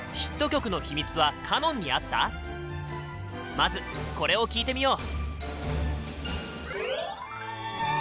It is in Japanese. まずこれを聴いてみよう！